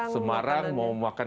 semarang mau makan